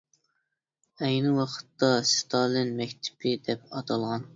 ئەينى ۋاقىتتا ستالىن مەكتىپى دەپ ئاتالغان.